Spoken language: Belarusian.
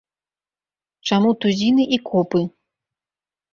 Чаму тузіны і копы?